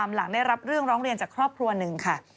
หลังได้รับเรื่องร้องเรียนจากครอบครัวหนึ่งค่ะ